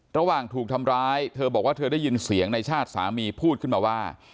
ระหว่างถูกทำร้ายเธอบอกว่าเธอได้ยินเสียงในชาติสามีพูดขึ้นมาว่า